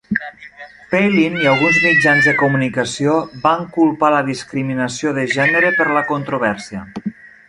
Palin i alguns mitjans de comunicació van culpar la discriminació de gènere per la controvèrsia.